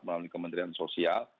melalui kementerian sosial